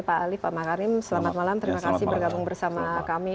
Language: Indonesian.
pak ali pak makarim selamat malam terima kasih bergabung bersama kami